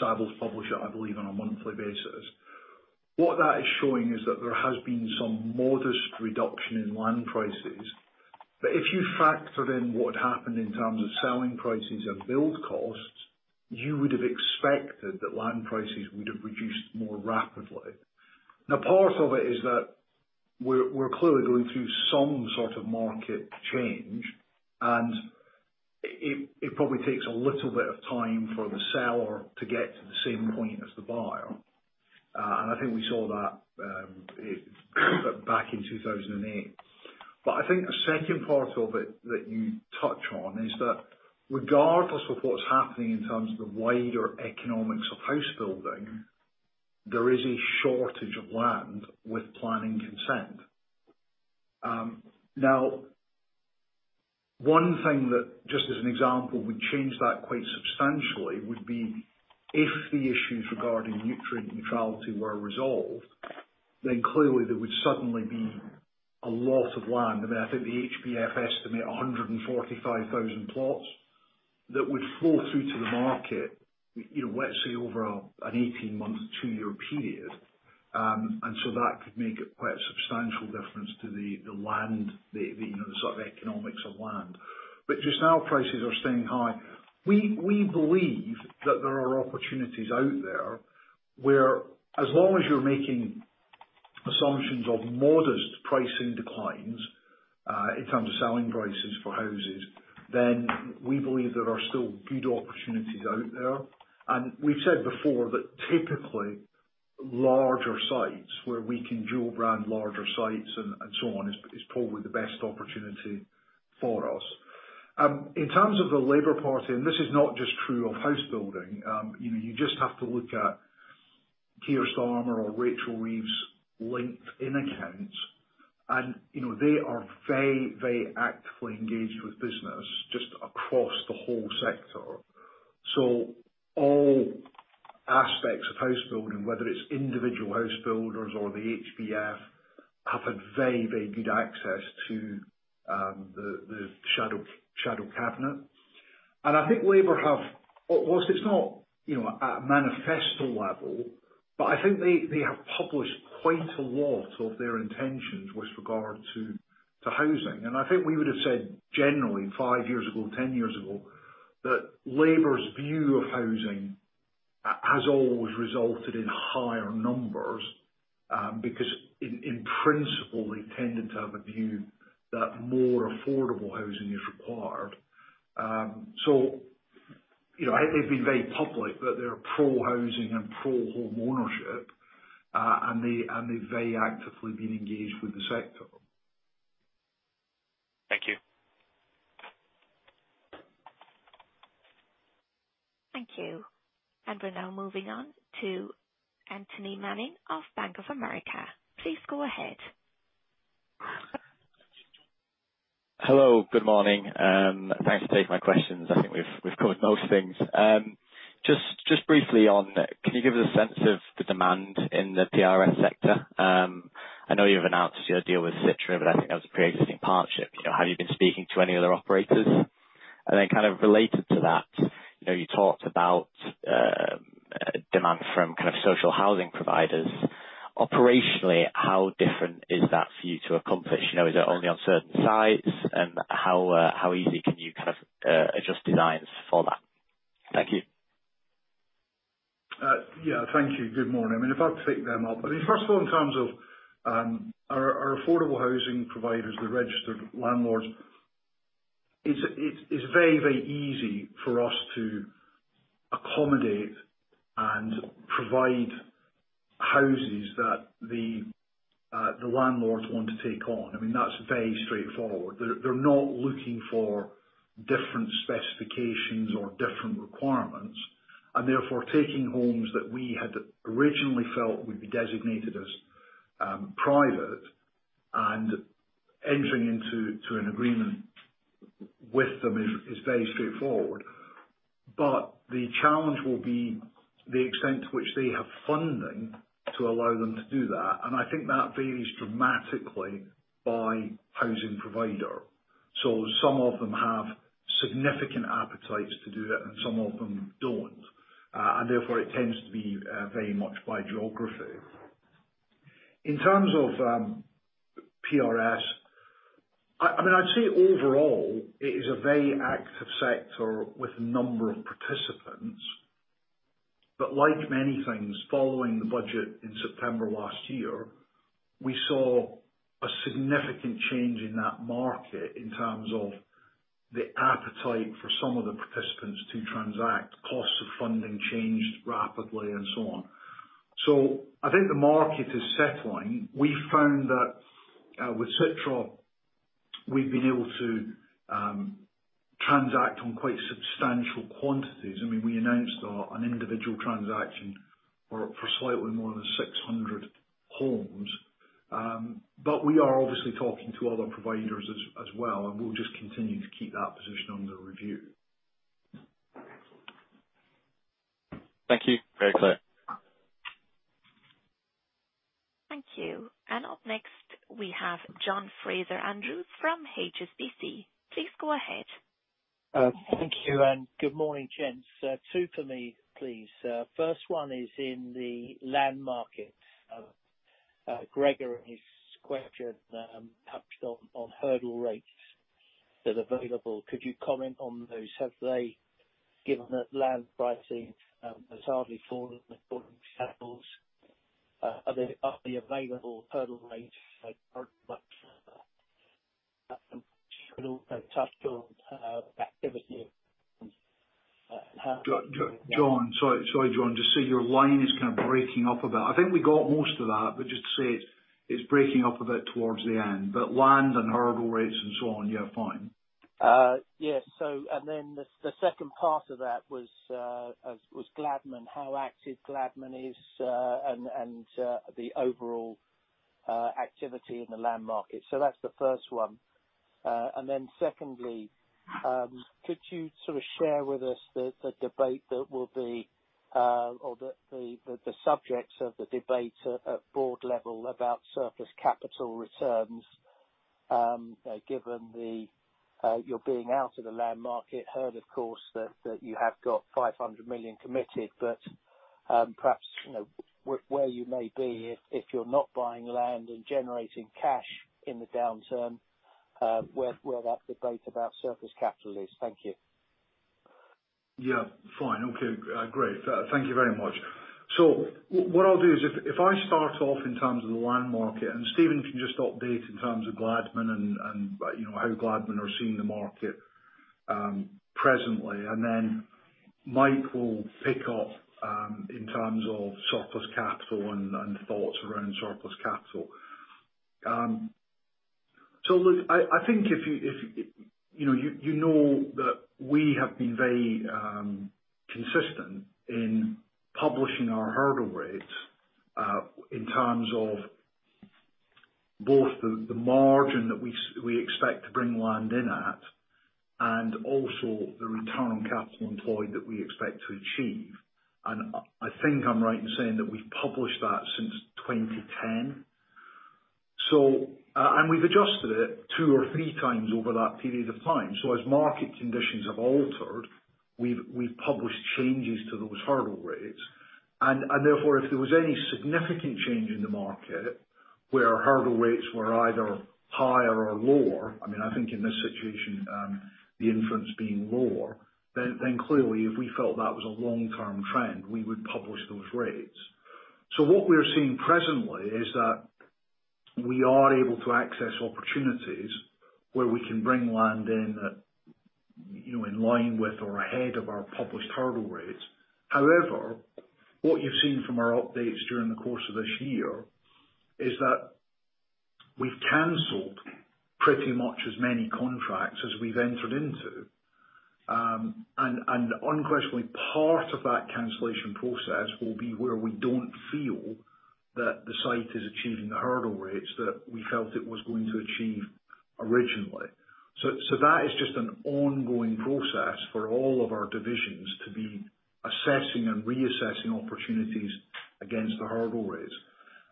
Savills publish it, I believe, on a monthly basis. What that is showing is that there has been some modest reduction in land prices. If you factor in what happened in terms of selling prices and build costs, you would have expected that land prices would have reduced more rapidly. Part of it is that we're clearly going through some sort of market change, and it probably takes a little bit of time for the seller to get to the same point as the buyer. I think we saw that back in 2008. I think the second part of it that you touch on, is that regardless of what's happening in terms of the wider economics of house building, there is a shortage of land with planning consent. One thing that, just as an example, would change that quite substantially, would be if the issues regarding nutrient neutrality were resolved, then clearly there would suddenly be a lot of land. I mean, I think the HBF estimate 145,000 plots that would flow through to the market, you know, let's say over an 18-month, 2-year period. That could make quite a substantial difference to the land, the, you know, the sort of economics of land. Just now, prices are staying high. We believe that there are opportunities out there, where as long as you're making assumptions of modest pricing declines, in terms of selling prices for houses, then we believe there are still good opportunities out there. We've said before that typically, larger sites, where we can dual brand larger sites and so on, is probably the best opportunity for us. In terms of the Labour Party, this is not just true of house building, you know, you just have to look at Keir Starmer or Rachel Reeves' LinkedIn accounts, you know, they are very, very actively engaged with business just across the whole sector. All aspects of house building, whether it's individual house builders or the HBF, have a very, very good access to the shadow cabinet. I think Labour have, whilst it's not, you know, at a manifesto level, but I think they have published quite a lot of their intentions with regard to housing. I think we would have said, generally, 5 years ago, 10 years ago, that Labour's view of housing has always resulted in higher numbers, because in principle, they tended to have a view that more affordable housing is required. You know, I think they've been very public, that they're pro-housing and pro-home ownership, and they, and they've very actively been engaged with the sector. Thank you. Thank you. We're now moving on to Anthony Manning of Bank of America. Please go ahead. Hello, good morning, thanks for taking my questions. I think we've covered most things. Just briefly on, can you give us a sense of the demand in the PRS sector? I know you've announced your deal with Citra, but I think that was a pre-existing partnership. You know, have you been speaking to any other operators? Then, kind of related to that, you know, you talked about demand from kind of social housing providers. Operationally, how different is that for you to accomplish? You know, is it only on certain sites? How easy can you kind of adjust designs for that? Thank you. Yeah, thank you. Good morning. I mean, if I take them up, I mean, first of all, in terms of our affordable housing providers, the registered landlords, it's very easy for us to accommodate and provide houses that the landlords want to take on. I mean, that's very straightforward. They're not looking for different specifications or different requirements, and therefore taking homes that we had originally felt would be designated as private and entering into an agreement with them is very straightforward. The challenge will be the extent to which they have funding to allow them to do that. I think that varies dramatically by housing provider. Some of them have significant appetites to do that, and some of them don't. Therefore, it tends to be very much by geography. In terms of PRS, I mean, I'd say overall, it is a very active sector with a number of participants. Like many things, following the budget in September last year, we saw a significant change in that market in terms of the appetite for some of the participants to transact. Costs of funding changed rapidly, and so on. I think the market is settling. We found that, with Citra, we've been able to transact on quite substantial quantities. I mean, we announced on an individual transaction for slightly more than 600 homes. We are obviously talking to other providers as well, and we'll just continue to keep that position under review. Thank you. Very clear. Thank you. Up next, we have John Fraser-Andrews from HSBC. Please go ahead. Thank you. Good morning, gents. Two for me, please. First one is in the land market. Gregor's question touched on hurdle rates that are available. Could you comment on those? Given that land pricing has hardly fallen within channels, are the available hurdle rates, like, much? Could also touch on activity. John, sorry, John, just so your line is kind of breaking up a bit. I think we got most of that, but just to say, it's breaking up a bit towards the end, but land and hurdle rates and so on, yeah, fine. Yes. The second part of that was Gladman, how active Gladman is, and the overall activity in the land market. That's the first one. Secondly, could you sort of share with us the debate that will be or the subjects of the debate at board level about surplus capital returns, given your being out of the land market? Heard, of course, that you have got 500 million committed, perhaps, you know, where you may be, if you're not buying land and generating cash in the downturn, where that debate about surplus capital is. Thank you. Yeah, fine. Okay, great. Thank you very much. What I'll do is if I start off in terms of the land market, Steven can just update in terms of Gladman and, you know, how Gladman are seeing the market presently, then Mike will pick up in terms of surplus capital and thoughts around surplus capital. Look, I think if you know, you know that we have been very consistent in publishing our hurdle rates in terms of both the margin that we expect to bring land in at, and also the return on capital employed that we expect to achieve. I think I'm right in saying that we've published that since 2010. And we've adjusted it two or three times over that period of time. As market conditions have altered, we've published changes to those hurdle rates. Therefore, if there was any significant change in the market where our hurdle rates were either higher or lower, I mean, I think in this situation, the inference being lower, then clearly, if we felt that was a long-term trend, we would publish those rates. What we're seeing presently is that we are able to access opportunities where we can bring land in at, you know, in line with or ahead of our published hurdle rates. However, what you've seen from our updates during the course of this year is that we've canceled pretty much as many contracts as we've entered into. And unquestionably, part of that cancellation process will be where we don't feel that the site is achieving the hurdle rates that we felt it was going to achieve originally. That is just an ongoing process for all of our divisions to be assessing and reassessing opportunities against the hurdle rates.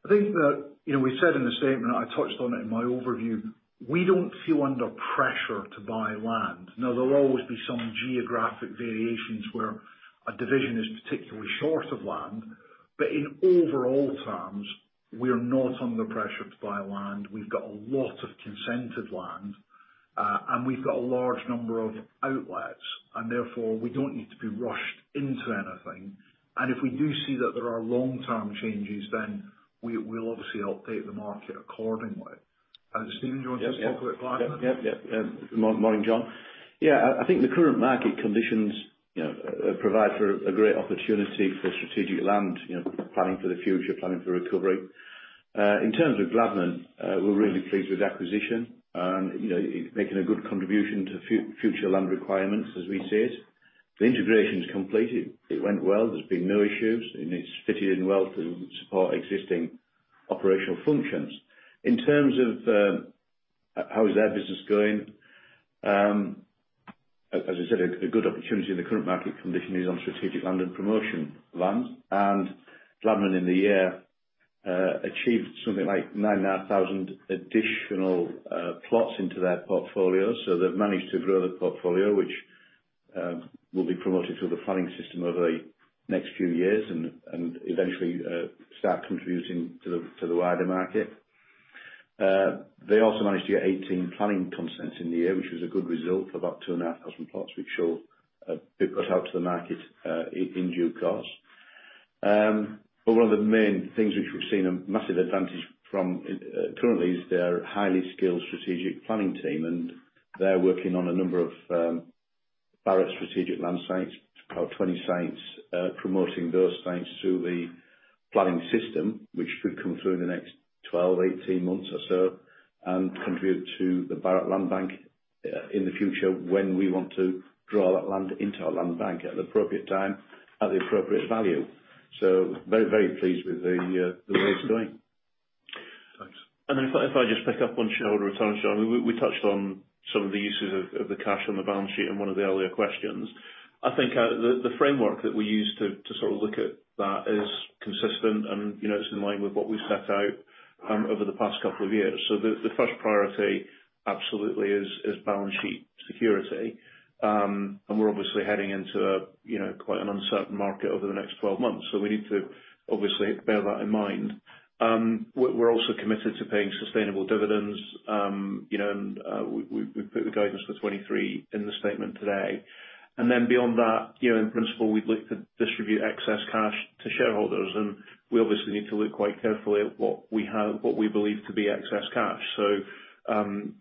I think that, you know, we said in the statement, I touched on it in my overview, we don't feel under pressure to buy land. There'll always be some geographic variations where a division is particularly short of land, but in overall terms, we're not under pressure to buy land. We've got a lot of consented land, and we've got a large number of outlets, and therefore, we don't need to be rushed into anything. If we do see that there are long-term changes, then we'll obviously update the market accordingly. Steven, do you want to just talk about Gladman? Yep, yep. Morning, John. Yeah, I think the current market conditions, you know, provide for a great opportunity for strategic land, you know, planning for the future, planning for recovery. In terms of Gladman, we're really pleased with the acquisition, and, you know, it's making a good contribution to future land requirements as we see it. The integration is completed. It went well. There's been no issues, and it's fitted in well to support existing operational functions. In terms of how is their business going, as I said, a good opportunity in the current market condition is on strategic land and promotion land. Gladman in the year achieved something like 9,500 additional plots into their portfolio. They've managed to grow the portfolio, which will be promoted through the planning system over the next few years and eventually start contributing to the wider market. They also managed to get 18 planning consents in the year, which was a good result for about 2,500 plots, which show a bit good out to the market in due course. One of the main things which we've seen a massive advantage from, currently, is their highly skilled strategic planning team, and they're working on a number of Barratt strategic land sites, about 20 sites, promoting those sites through the planning system, which could come through in the next 12-18 months or so, and contribute to the Barratt land bank in the future, when we want to draw that land into our land bank at an appropriate time, at the appropriate value. Very, very pleased with the way it's going. Thanks. If I just pick up on shareholder return, John, we touched on some of the uses of the cash on the balance sheet in one of the earlier questions. I think, the framework that we use to sort of look at that is consistent and, you know, it's in line with what we set out over the past couple of years. The first priority absolutely is balance sheet security. And we're obviously heading into, you know, quite an uncertain market over the next 12 months, so we need to obviously bear that in mind. We're also committed to paying sustainable dividends, you know, and we've put the guidance for 23 in the statement today. Beyond that, you know, in principle, we'd look to distribute excess cash to shareholders, and we obviously need to look quite carefully at what we have, what we believe to be excess cash.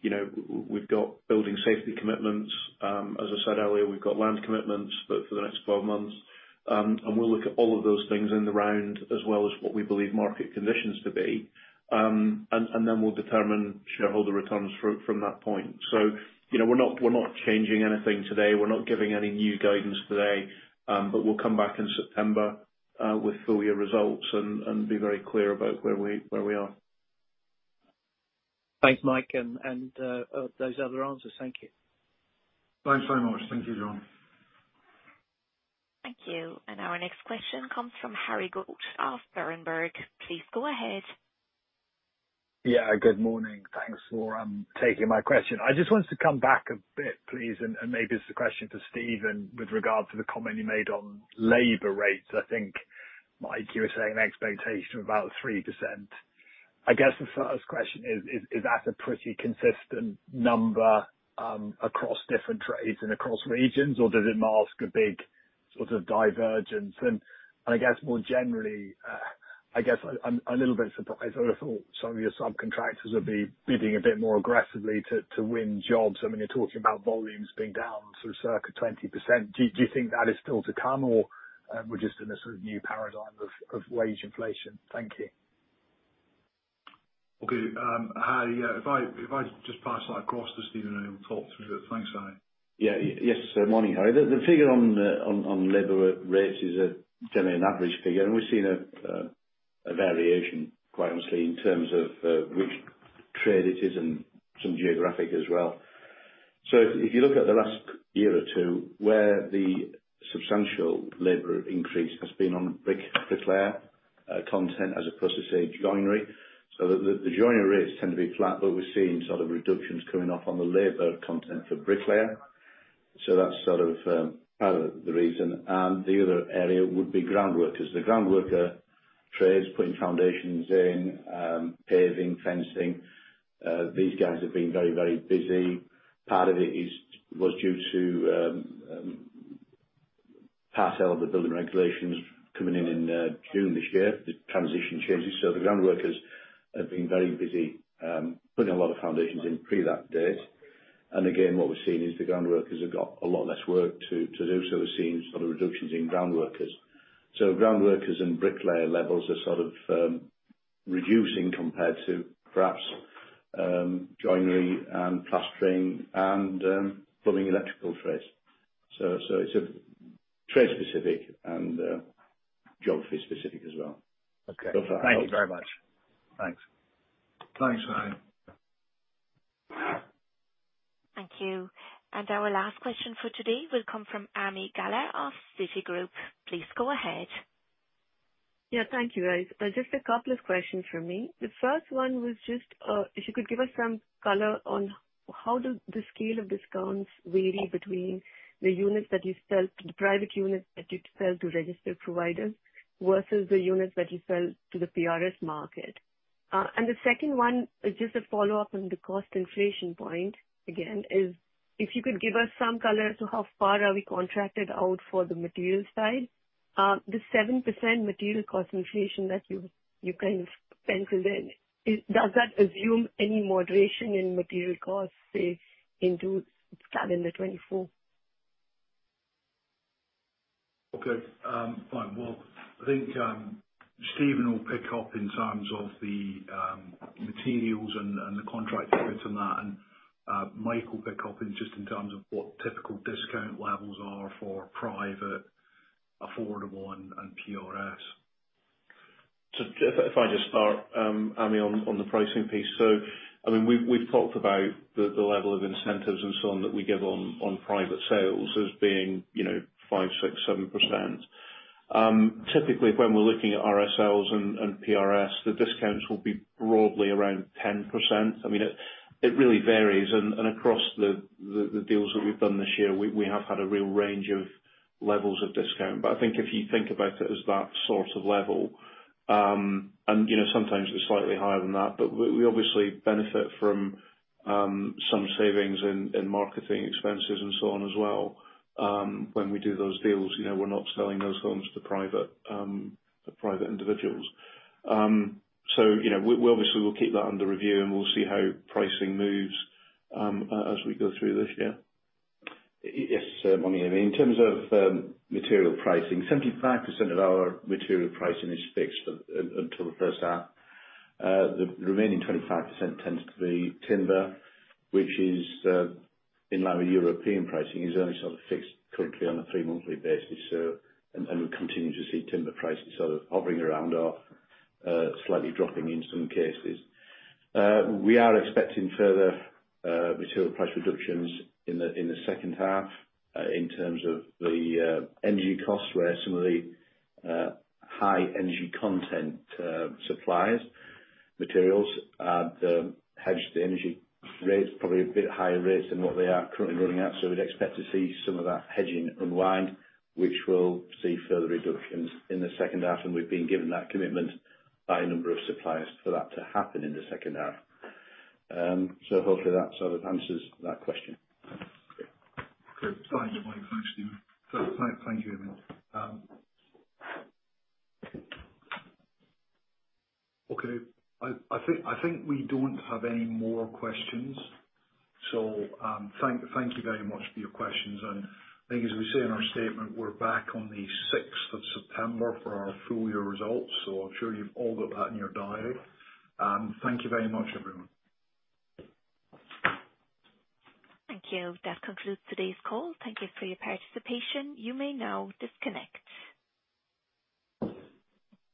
You know, we've got building safety commitments. As I said earlier, we've got land commitments, but for the next 12 months. We'll look at all of those things in the round, as well as what we believe market conditions to be. Then we'll determine shareholder returns from that point. You know, we're not changing anything today. We're not giving any new guidance today, but we'll come back in September with full year results and be very clear about where we are. Thanks, Mike, and, those other answers. Thank you. Thanks very much. Thank you, John. Thank you. Our next question comes from Harry Goad of Berenberg. Please go ahead. Yeah, good morning. Thanks for taking my question. I just wanted to come back a bit, please, and maybe it's a question for Steve, and with regard to the comment you made on labor rates. I think, Mike, you were saying an expectation of about 3%. I guess the first question is that a pretty consistent number across different trades and across regions, or does it mask a big sort of divergence? I guess more generally, I guess a little bit I sort of thought some of your subcontractors would be bidding a bit more aggressively to win jobs. I mean, you're talking about volumes being down sort of circa 20%. Do you think that is still to come, or we're just in a sort of new paradigm of wage inflation? Thank you. Okay. Harry, yeah, if I just pass that across to Steven, he'll talk through it. Thanks, Harry. Yes, morning, Harry. The figure on labor rates is generally an average figure, we've seen a variation, quite honestly, in terms of which trade it is and some geographic as well. If you look at the last year or two, where the substantial labor increase has been on bricklayer content as opposed to, say, joinery. The joinery rates tend to be flat, we're seeing sort of reductions coming off on the labor content for bricklayer. That's sort of part of the reason. The other area would be groundworkers. The groundworker trade is putting foundations in, paving, fencing. These guys have been very busy. Part of it was due to parcel of the building regulations coming in June this year, the transition changes. The groundworkers have been very busy putting a lot of foundations in pre that date. Again, what we've seen is the groundworkers have got a lot less work to do, so we're seeing sort of reductions in groundworkers. Groundworkers and bricklayer levels are sort of reducing compared to perhaps joinery and plastering and plumbing, electrical trades. It's a trade specific and geography specific as well. Okay. So far- Thank you very much. Thanks. Thanks, Harry. Thank you. Our last question for today will come from Ami Galla of Citigroup. Please go ahead. Yeah, thank you, guys. Just a couple of questions from me. The first one was just, if you could give us some color on how does the scale of discounts vary between the units that you sell, the private units that you sell to Registered Providers versus the units that you sell to the PRS market? The second one is just a follow-up on the cost inflation point, again, is if you could give us some color as to how far are we contracted out for the material side. The 7% material cost inflation that you kind of penciled in, does that assume any moderation in material costs, say, into calendar 2024? Fine. I think Steven will pick up in terms of the materials and the contract rates on that, Mike will pick up in just in terms of what typical discount levels are for private, affordable and PRS. If I just start, Ami, on the pricing piece. I mean, we've talked about the level of incentives and so on that we give on private sales as being, you know, 5%, 6%, 7%. Typically, when we're looking at RSLs and PRS, the discounts will be broadly around 10%. I mean, it really varies, and across the deals that we've done this year, we have had a real range of levels of discount. I think if you think about it as that sort of level, and, you know, sometimes it's slightly higher than that, but we obviously benefit from some savings in marketing expenses and so on as well. When we do those deals, you know, we're not selling those homes to private to private individuals. You know, we obviously will keep that under review, and we'll see how pricing moves as we go through this year. Yes, morning, Ami. In terms of material pricing, 75% of our material pricing is fixed until the first half. The remaining 25% tends to be timber, which is in line with European pricing, is only sort of fixed currently on a three monthly basis. We continue to see timber prices sort of hovering around or, slightly dropping in some cases. We are expecting further, material price reductions in the second half, in terms of the energy costs, where some of the high energy content, suppliers, materials are hedged. The energy rates are probably a bit higher rates than what they are currently running at, we'd expect to see some of that hedging unwind, which will see further reductions in the second half, and we've been given that commitment by a number of suppliers for that to happen in the second half. Hopefully that sort of answers that question. Okay. Thank you, Mike. Thanks, Steven. Thank you, Ami. Okay, I think we don't have any more questions. thank you very much for your questions, and I think as we say in our statement, we're back on the 6th of September for our full year results. I'm sure you've all got that in your diary. thank you very much, everyone. Thank you. That concludes today's call. Thank you for your participation. You may now disconnect.